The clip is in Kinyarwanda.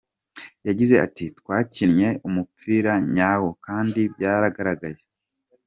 Yagize ati “Twakinnye umupira nyawo kandi byaragaragaye .